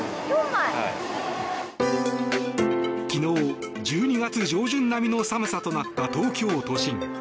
昨日、１２月上旬並みの寒さとなった東京都心。